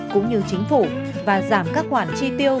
cũng như chính phủ và giảm các khoản chi tiêu